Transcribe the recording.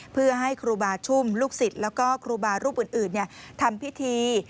เพื่อให้ครูบาชุ่มลูกศิษย์แล้วก็ครูบารูปอื่นทำพิธี